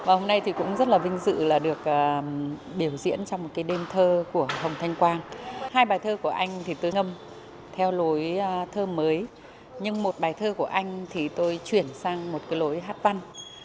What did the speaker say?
và hôm nay thì cũng rất là vinh dự là được biểu diễn trong một cái đêm thơ của hồng thanh quang hai bài thơ của anh thì tôi ngâm theo lối thơ mới nhưng một bài thơ của anh thì tôi chuyển sang một cái lối hát văn